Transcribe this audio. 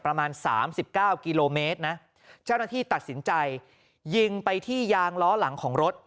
ประมาณสามสิบเก้ากิโลเมตรนะเจ้าหน้าที่ตัดสินใจยิงไปที่ยางล้อหลังของรถ